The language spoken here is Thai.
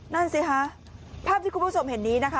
นั่นสิคะภาพที่คุณผู้ชมเห็นนี้นะคะ